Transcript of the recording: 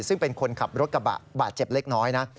ซึ่งเป็นคนขับรถกระบะบาดเจ็บเล็กน้อยนะ